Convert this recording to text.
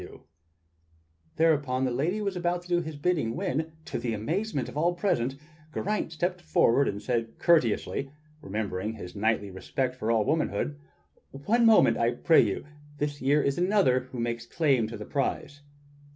60 THE STORY OF KING ARTHUR Thereupon the lady was about to do his bidding when, to the amazement of all present, Geraint stepped forward and said cour teously, remembering his knightly respect for all womanhood: "One moment, I pray you; this year there is another who makes claim to that prize."